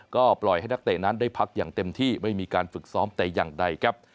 ก็ปล่อยให้นักเตะนั้นได้พักอย่างเต็มที่ไม่มีการฝึกซ้อมแต่อย่างใดครับ